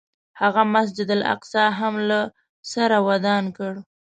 هغه مسجد الاقصی هم له سره ودان کړ.